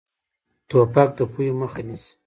توپک د پوهې مخه نیسي.